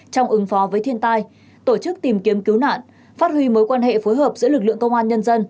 trong ứng phó với thiên tai tổ chức tìm kiếm cứu nạn phát huy mối quan hệ phối hợp giữa lực lượng công an nhân dân